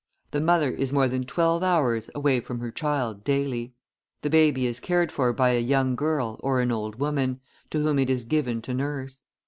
The mother is more than twelve hours away from her child daily; the baby is cared for by a young girl or an old woman, to whom it is given to nurse.